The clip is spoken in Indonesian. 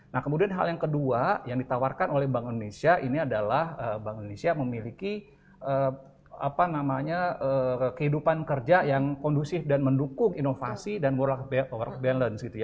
nah kemudian hal yang kedua yang ditawarkan oleh bank indonesia ini adalah bank indonesia memiliki kehidupan kerja yang kondusif dan mendukung inovasi dan world work balance gitu ya